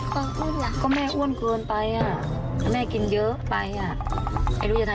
กินแล้วไข่กินแล้วไข่เลยเหรอ